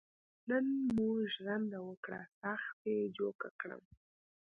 نن مو ژرنده وکړه سخت یې جوکه کړم.